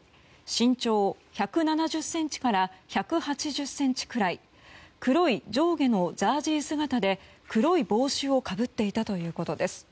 身長１７０ｃｍから１８０ｃｍくらい黒い上下のジャージー姿で黒い帽子をかぶっていたということです。